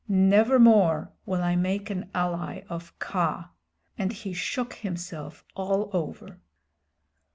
"Never more will I make an ally of Kaa," and he shook himself all over.